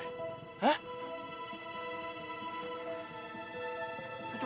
lu cuma tangan kiri lho